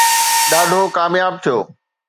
ڏاڍو ڪامياب ٿيو